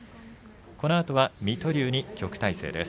このあとは水戸龍に旭大星です。